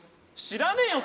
知らねえよ